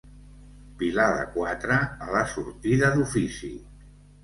Pilar de quatre a la sortida d'Ofici.